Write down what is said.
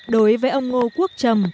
đối với ông ngô quốc trầm